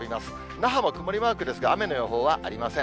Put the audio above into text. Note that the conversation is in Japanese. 那覇も曇りマークですが、雨の予報はありません。